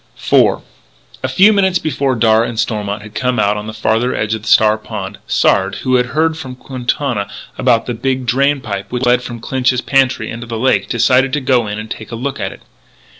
IV A few minutes before Darragh and Stormont had come out on the farther edge of Star Pond, Sard, who had heard from Quintana about the big drain pipe which led from Clinch's pantry into the lake, decided to go in and take a look at it.